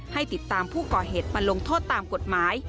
ให้ติดตามผู้ก่อเหตุมาลงโทษตามกฎหมาย